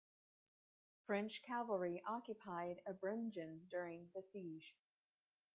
French cavalry occupied Ebringen during the siege.